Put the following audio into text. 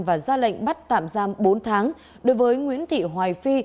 và ra lệnh bắt tạm giam bốn tháng đối với nguyễn thị hoài phi